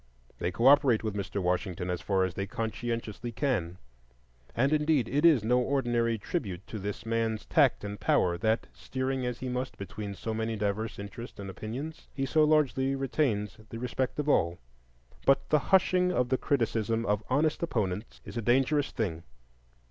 They cooperate with Mr. Washington as far as they conscientiously can; and, indeed, it is no ordinary tribute to this man's tact and power that, steering as he must between so many diverse interests and opinions, he so largely retains the respect of all. But the hushing of the criticism of honest opponents is a dangerous thing.